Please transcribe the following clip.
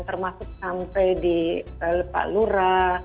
termasuk sampai di pak lura